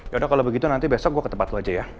yaudah kalau begitu nanti besok gue ke tempat lo aja ya